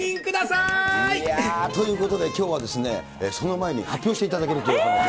いやー、ということで、きょうはその前に発表していただけるということで。